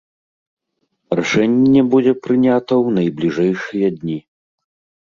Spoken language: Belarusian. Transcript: Рашэнне будзе прынята ў найбліжэйшыя дні!